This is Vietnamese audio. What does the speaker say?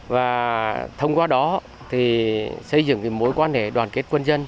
và thông qua đó xây dựng mối quan hệ